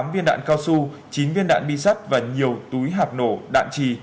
tám viên đạn cao su chín viên đạn bi sắt và nhiều túi hạt nổ đạn trì